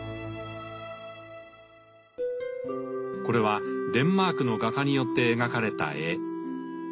これはデンマークの画家によって描かれた絵。